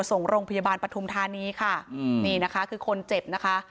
ส่งโรงพยาบาลปฐุมธานีค่ะอืมนี่นะคะคือคนเจ็บนะคะ